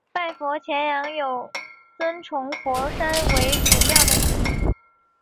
拜佛钳羊有尊崇佛山为祖庙的意义。